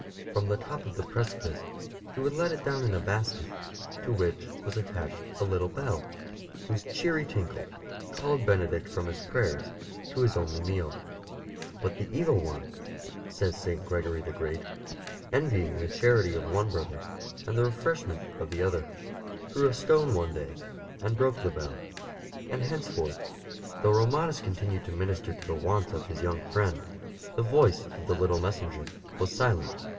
From the top of the precipice he would let it down in a basket, to which was attached a little bell, whose cheery tinkle called Benedict from his prayers to his only meal. " But the Evil One," says St. Gregory the Great, '' envying the charity of one brother and the refreshment of the other, threw a stone one day and broke the bell," and henceforth, though Romanus continued to minister to the wants of his young 3 34 ST. BENEDICT friend, the voice of the Uttle messenger was silent.